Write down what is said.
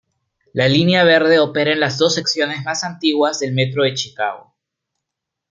La Línea Verde opera en las dos secciones más antiguas del Metro de Chicago.